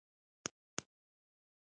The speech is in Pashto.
خو زه تاسره دهرې ثانيې نه خوند اخلم.